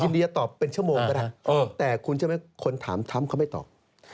ยินดีจะตอบเป็นชั่วโมงก็ได้แต่คุณจะไม่คนถามทำเขาไม่ตอบ